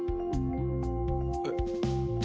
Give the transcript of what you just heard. えっ。